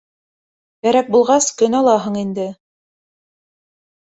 Кәрәк булғас... көн алаһың инде.